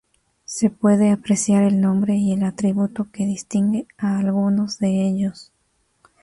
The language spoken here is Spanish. Se puede apreciar el nombre y el atributo que distingue a algunos de ellos.